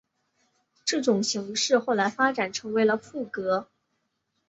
这种形式后来发展成为了赋格。